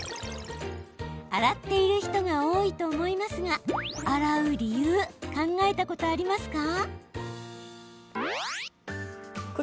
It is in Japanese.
洗っている人が多いと思いますが洗う理由考えたことありますか？